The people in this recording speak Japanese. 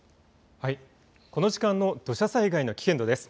この時間の土砂災害の危険度です。